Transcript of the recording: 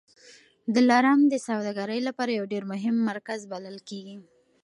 دلارام د سوداګرۍ لپاره یو ډېر مهم مرکز بلل کېږي.